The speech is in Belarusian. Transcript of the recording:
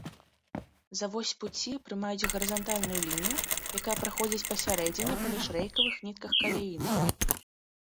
За вось пуці прымаюць гарызантальную лінію, якая праходзіць пасярэдзіне паміж рэйкавых нітках каляіны.